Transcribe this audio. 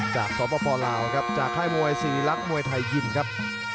จากสภลาวครับจากช่ายมวย๔รักมวยไทยยินครับ